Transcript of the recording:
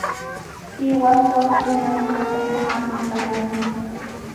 Sihuastraw chiinakunaqa shumaqmi kayan.